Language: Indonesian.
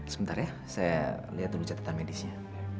sebentar ya saya lihat dulu catatan medisnya